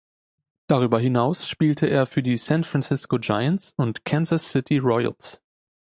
Darüber hinaus spielte er für die San Francisco Giants und Kansas City Royals.